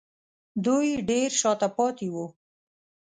دوی ډېر شا ته پاتې وو